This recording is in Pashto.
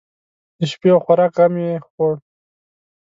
د شپې او خوراک غم یې خوړ.